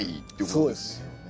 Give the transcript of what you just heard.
そうです。